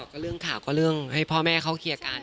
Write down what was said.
ก็เรื่องข่าวก็เรื่องให้พ่อแม่เขาเคลียร์กัน